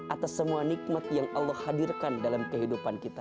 atas semua nikmat yang allah hadirkan dalam kehidupan kita